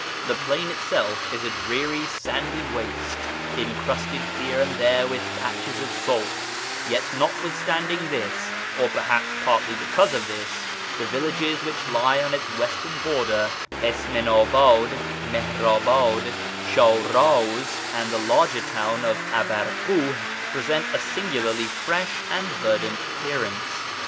The plain itself is a dreary, sandy waste, encrusted here and there with patches of salt ; yet notwithstanding this (or perhaps partly because of this), the villages which lie on its western border— Isminabad, Mihrabiid, Sharaz, and the larger town of Abarkuh — present a singularly fresh and verdant appearance.